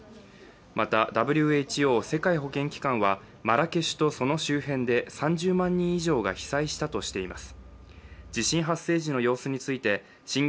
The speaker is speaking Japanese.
また、ＷＨＯ＝世界保健機関はマラケシュとその周辺で３０万人以上が被災したとしています。